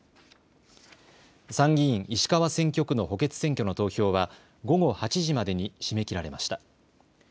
参議院石川選挙区の補欠選挙の投票は午後８時までに締め切られました。